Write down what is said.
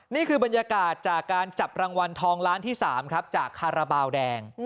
นี่คือบรรยากาศจากการจับรางวัลทองล้านที่๓ครับจากคาราบาลแดง